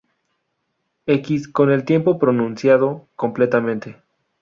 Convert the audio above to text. X", con el tipo pronunciado completamente.